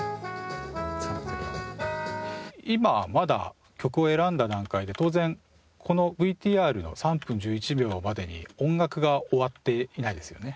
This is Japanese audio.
今まだ曲を選んだ段階で当然このＶＴＲの３分１１秒までに音楽が終わっていないですよね。